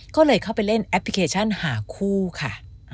ก็เลยเข้าไปเล่นแอปพลิเคชันหาคู่ค่ะ